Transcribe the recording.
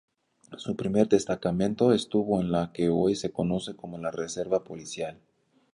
Su primer destacamento estuvo en lo que hoy se conoce como la reserva policial.